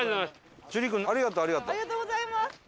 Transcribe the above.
ありがとうございます。